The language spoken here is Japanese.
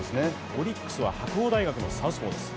オリックスは白鴎大学のサウスポーです。